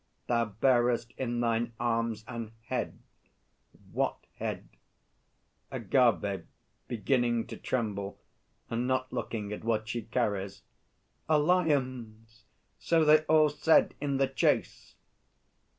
Thou bearest in thine arms an head what head? AGAVE (beginning to tremble, and not looking at what she carries). A lion's so they all said in the chase.